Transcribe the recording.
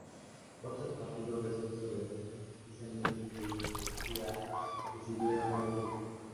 Otros partidos de centro derecha, especialmente incluyendo IdeA, decidieron no unirse.